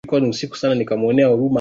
Ameandika maneno mengi sana